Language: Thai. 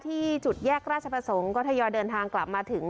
ที่จุดแยกราชประสงค์ก็ทยอยเดินทางกลับมาถึง